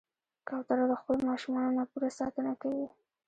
کوتره له خپلو ماشومانو نه پوره ساتنه کوي.